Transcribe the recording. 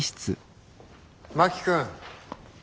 真木君